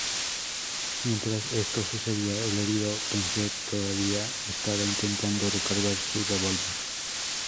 Mientras esto sucedía, el herido Pence todavía estaba intentando recargar su revólver.